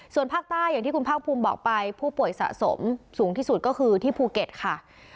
ส่วนภาคใต้อย่างที่คุณภาคภูมิบอกไปผู้ป่วยสะสมสูงที่สุดก็คือที่ภูเก็ตค่ะ